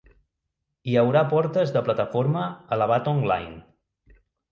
Hi haurà portes de plataforma a la Batong Line.